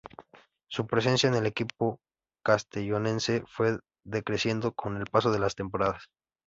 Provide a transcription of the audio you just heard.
Su presencia en el equipo castellonense fue decreciendo con el paso de las temporadas.